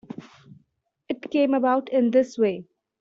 It came about in this way.